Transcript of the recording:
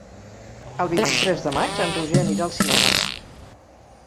El vint-i-tres de maig en Roger anirà al cinema.